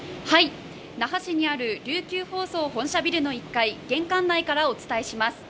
那覇市にある琉球放送本社ビルの１階、玄関内からお伝えします。